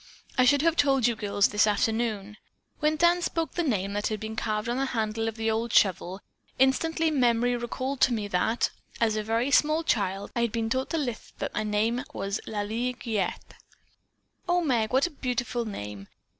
"I should have told you girls this afternoon. When Dan spoke the name that he had found carved on the handle of the old shovel, instantly memory recalled to me that, as a very small child, I had been taught to lisp that my name was Lalie Giguette." "O Meg, what a beautiful name.